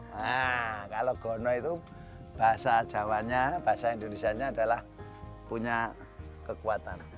nah kalau gono itu bahasa jawanya bahasa indonesia nya adalah punya kekuatan